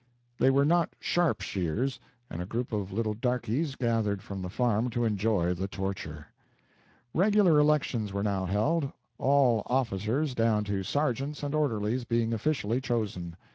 They were not sharp shears, and a group of little darkies gathered from the farm to enjoy the torture. Regular elections were now held all officers, down to sergeants and orderlies, being officially chosen.